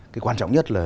cái quan trọng nhất là